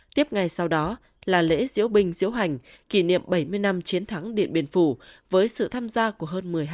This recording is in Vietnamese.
tiếp ngày sau đó là lễ diễu bình diễu hành kỷ niệm bảy mươi năm chiến thắng điện biên phủ với sự tham gia của hơn một mươi hai